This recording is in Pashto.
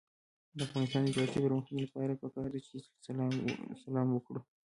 د افغانستان د اقتصادي پرمختګ لپاره پکار ده چې سلام وکړو.